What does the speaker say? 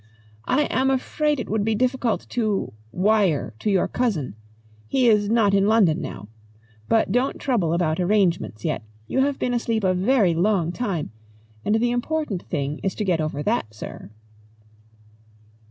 "I am afraid it would be difficult to wire to your cousin. He is not in London now. But don't trouble about arrangements yet; you have been asleep a very long time and the important thing is to get over that, sir."